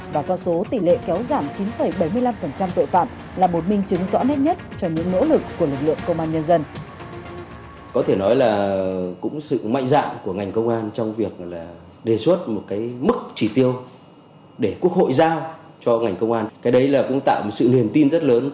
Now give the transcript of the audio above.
và toa số tỷ lệ kéo giảm chín bảy mươi năm tội phạm là một minh chứng rõ nét nhất